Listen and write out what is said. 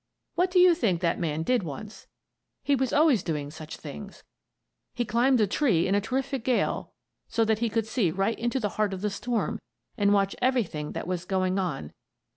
What do you think that man did once? He was always doing such things. He climbed a tree in a terrific gale so that he could see right into the heart of the storm and watch everything that was going on.